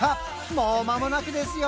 もうまもなくですよ！